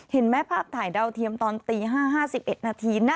เห็นไหมภาพถ่ายดาวเทียมตอนตี๕๕๑นาทีนะ